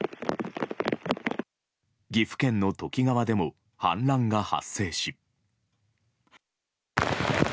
岐阜県の土岐川でも氾濫が発生し。